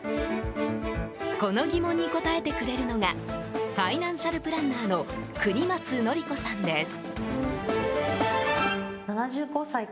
この疑問に答えてくれるのがファイナンシャルプランナーの國松典子さんです。